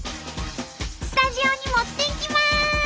スタジオに持っていきます！